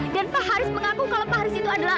dan pak haris mengaku kalau pak haris itu adalah